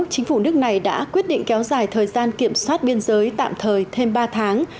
chính phủ nước này đã quyết định kéo dài thời gian kiểm soát biên giới tạm thời thêm ba tháng